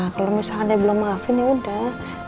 kalau misalkan dia belum maafin yaudah